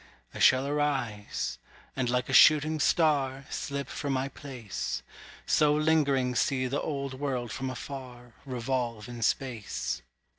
I shall arise, and like a shooting star Slip from my place; So lingering see the old world from afar Revolve in space.